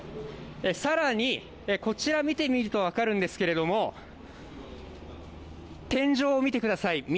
さらにこちら見てみるとわかるんですけれども天井を見てください。